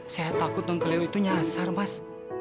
saya takut nonkeleo itu nyasar mas